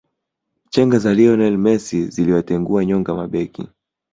chenga za lionel mesi ziliwatengua nyonga mabeki